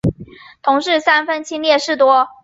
同事三分亲恋事多。